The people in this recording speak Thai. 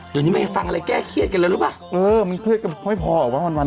เดี๋ยวนี้ไม่ฟังอะไรแก้เครียดกันแล้วรู้ปะเออมันไม่พอออกวะวันวัน